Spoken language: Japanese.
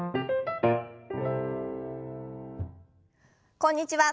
こんにちは。